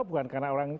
bukan karena orang ini